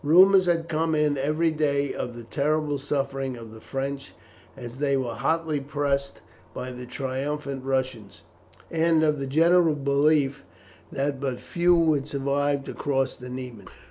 Rumours had come in every day of the terrible sufferings of the French as they were hotly pressed by the triumphant Russians, and of the general belief that but few would survive to cross the Niemen.